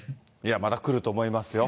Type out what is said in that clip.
また来ると思いますよ。